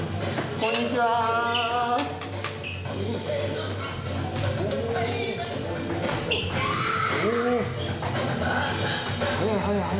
こんにちは。